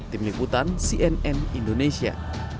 tim liputan cnn indonesia